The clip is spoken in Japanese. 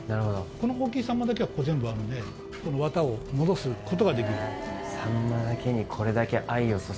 この大きいサンマだけは全部あるんでわたを戻すことができると。